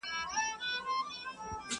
o خر چي پر دانه مړ سي، شهيد دئ٫